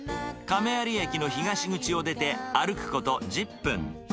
亀有駅の東口を出て歩くこと１０分。